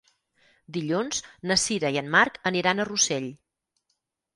Dilluns na Sira i en Marc aniran a Rossell.